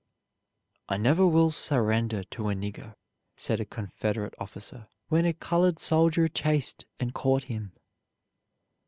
"I never will surrender to a nigger," said a Confederate officer, when a colored soldier chased and caught him.